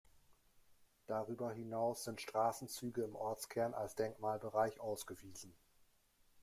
Darüber hinaus sind Straßenzüge im Ortskern als Denkmalbereich ausgewiesen.